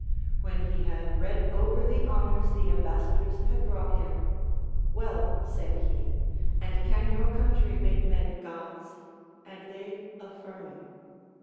AVhen he had read over the honors the ambassadors had brought him. Well, said he, and can your country make men Gods ? And they affirming.